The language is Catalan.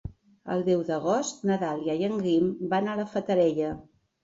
El deu d'agost na Dàlia i en Guim van a la Fatarella.